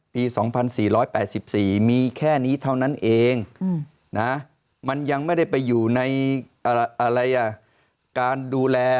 ๒๔๘๔มีแค่นี้เท่านั้นเองนะมันยังไม่ได้ไปอยู่ในการดูแล